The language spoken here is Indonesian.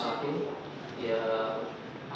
ya itu dia